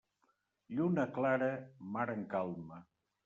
Lluna clara, mar en calma.